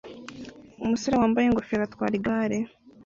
Umusore wambaye ingofero atwara igare